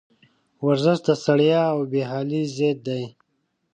ورزش د ستړیا او بېحالي ضد دی.